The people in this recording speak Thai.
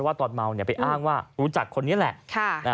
ตอนเมาไปอ้างว่ารู้จักคนนี้แหละ